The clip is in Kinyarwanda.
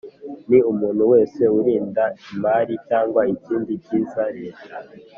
Ni umuntu wese urinda imari cyangwa ikindi kigize leta